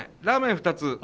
ラーメン２つ。